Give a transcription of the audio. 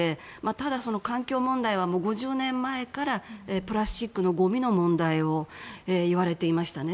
ただ、環境問題は５０年前から、プラスチックのごみの問題を言われていましたね。